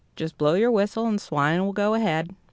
Just blow your whistle, and the swine will go ahead."